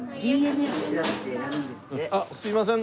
あっすいません。